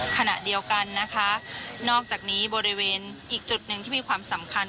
ขณะเดียวกันนะคะนอกจากนี้บริเวณอีกจุดหนึ่งที่มีความสำคัญ